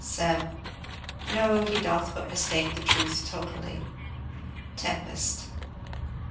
Seb. No; he doth but mistake the truth totally. Tempest.